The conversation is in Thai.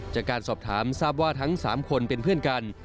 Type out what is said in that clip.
จากการสอบถามทราบว่าทั้ง๓คนเป็นเพื่อนกัน